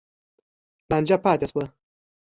لانجه پاتې شوه.